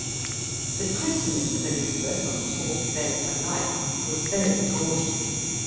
The christening of Elizabeth, on the fourth day of her life, was very gorgeous.